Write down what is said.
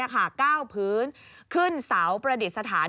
ก้าวพื้นขึ้นเสาประดิษฐาน